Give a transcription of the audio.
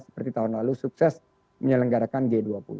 seperti tahun lalu sukses menyelenggarakan g dua puluh